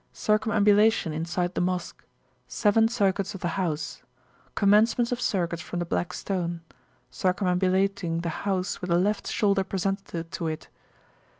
Circumambulation inside the Mosque. Seven circuits of the house. Commencement of circuit from the Black Stone. Circumambulating the house with the left shoulder presented to it.